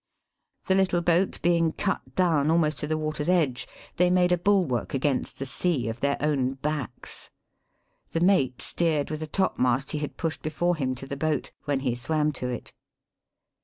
The little boatbeingcut down almost to the water's edge, they made a bulwark against the sea, of their own backs. The mate steered with a top mast he had pushed before him to the boat, when he swam to it.